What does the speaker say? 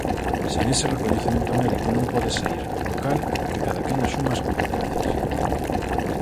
Sen ese recoñecemento médico non pode saír; co cal, que cadaquén asuma as competencias.